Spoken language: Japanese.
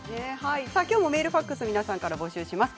きょうもメールファックス皆さんから募集します。